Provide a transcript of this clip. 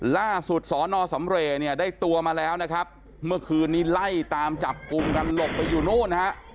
ล่าสุดสอนอสำเรย์เนี่ยได้ตัวมาแล้วนะครับเมื่อคืนนี้ไล่ตามจับกลุ่มกันหลบไปอยู่นู่นฮะ